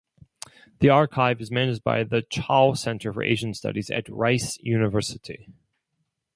The Archive is managed by the Chao Center for Asian Studies at Rice University.